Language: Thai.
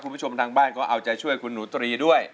คุณผู้ชมทางบ้านก็เอาใจช่วยคุณหนูตรีด้วย